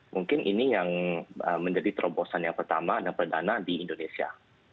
mungkin ini yang menjadi terobosan yang pertama dan perdana di indonesia